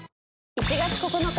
１月９日。